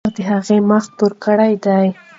لمر د هغه مخ تور کړی دی.